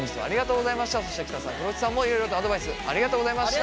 そして喜田さん風呂内さんもいろいろとアドバイスありがとうございました。